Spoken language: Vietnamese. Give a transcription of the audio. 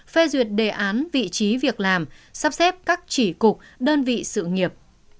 phê duyệt đề án vị trí việc làm sắp xếp các chỉ cục đơn vị sự nghiệp